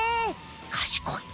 かしこい。